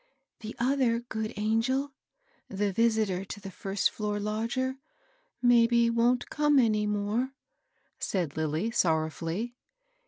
"The other good angel, — the visitor to the first floor lodger, — maybe wont come any more,'* said Lilly, sorrowfully.